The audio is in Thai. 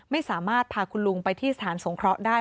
ไม่สามารถพาคุณลุงไปที่สถานสงเคราะห์ได้